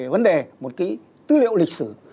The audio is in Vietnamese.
vấn đề một cái tư liệu lịch sử